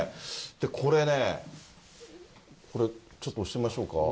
これね、これ、ちょっと押してみましょうか。